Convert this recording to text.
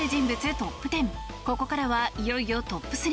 トップ１０ここからは、いよいよトップ３。